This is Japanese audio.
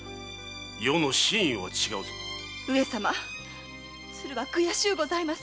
鶴は悔しゅうございます。